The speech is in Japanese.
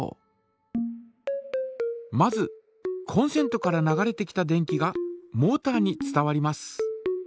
まずコンセントから流れてきた電気がモータに伝わります。